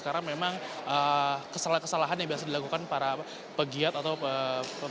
karena memang kesalahan kesalahan yang biasa dilakukan para pegiat atau pekerja